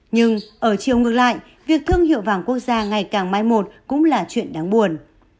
nhưng ở chiều ngược lại việc thương hiệu vàng quốc gia ngày càng mai một cũng là chuyện đáng buồn